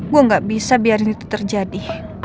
gue gak bisa biarin itu terjadi